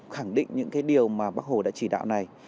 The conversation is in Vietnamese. khẳng định những cái điều mà bác hồ đã chỉ đạo này